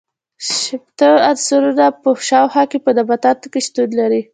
شپیتو عنصرونو په شاوخوا کې په نباتاتو کې شتون لري.